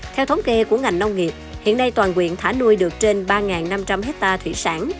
theo thống kê của ngành nông nghiệp hiện nay toàn quyện thả nuôi được trên ba năm trăm linh hectare thủy sản